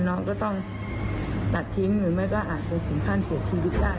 น้องก็ต้องตัดทิ้งหรือไม่ก็อาจเป็นสินพันธุ์ส่วนชีวิตได้